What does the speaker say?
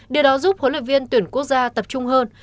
điều đó giúp huấn luyện viên tuyển quốc gia tập trung hơn